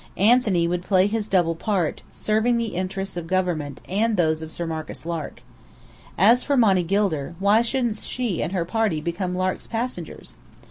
Anthony would play his double part, serving the interests of government and those of Sir Marcus Lark. As for Monny Gilder, why shouldn't she and her party become Lark's passengers?